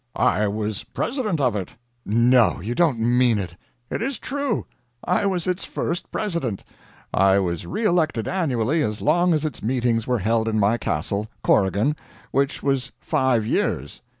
"I was President of it." "No! you don't mean it." "It is true. I was its first President. I was re elected annually as long as its meetings were held in my castle Corrigan which was five years."